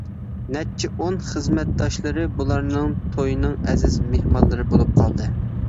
نەچچە ئون خىزمەتداشلىرى بۇلارنىڭ تويىنىڭ ئەزىز مېھمانلىرى بولۇپ قالدى.